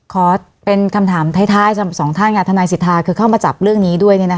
ขอเป็นคำถามท้ายสองท่านอย่างทนายสิทธาคือเข้ามาจับเรื่องนี้ด้วยเนี่ยนะคะ